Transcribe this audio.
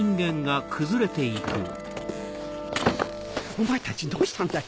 お前たちどうしたんだい？